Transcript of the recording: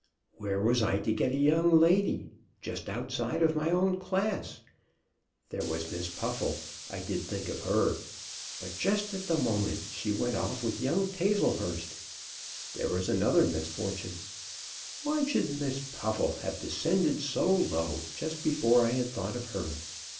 "Where was I to get a young lady just outside of my own class? There was Miss Puffle. I did think of her. But just at the moment she went off with young Tazlehurst. That was another misfortune. Why should Miss Puffle have descended so low just before I had thought of her?